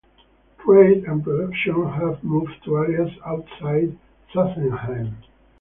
Trade and production have moved to areas outside Sassenheim.